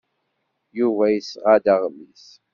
Yuba yesɣa-d aɣmis.